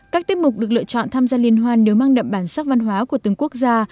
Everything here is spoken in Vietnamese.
các tiết mục được lựa chọn tham gia liên hoan đều mang đậm bản sắc văn hóa của từng quốc gia